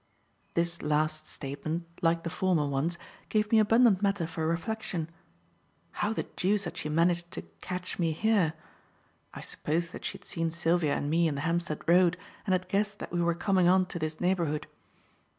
This last statement, like the former ones, gave me abundant matter for reflection. How the deuce had she managed to "catch me here?" I supposed that she had seen Sylvia and me in the Hampstead Road and had guessed that we were coming on to this neighbourhood.